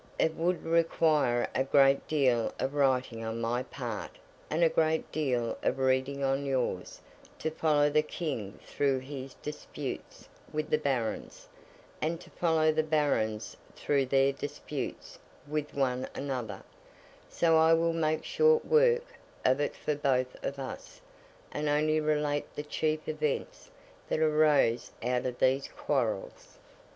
It would require a great deal of writing on my part, and a great deal of reading on yours, to follow the King through his disputes with the Barons, and to follow the Barons through their disputes with one another—so I will make short work of it for both of us, and only relate the chief events that arose out of these quarrels.